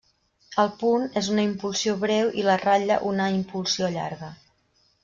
El punt és una impulsió breu i la ratlla una impulsió llarga.